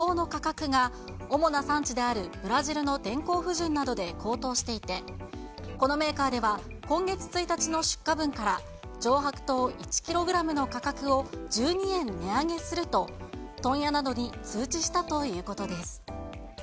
大手メーカーによりますと、原料となる砂糖の価格が主な産地であるブラジルの天候不順などで高騰していて、このメーカーでは今月１日の出荷分から上白糖１キログラムの価格を１２円値上げすると、問屋などに通知したということです。